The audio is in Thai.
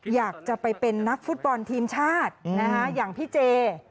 อยากจะไปเป็นนักฟุตบอลทีมชาติอย่างพี่เจ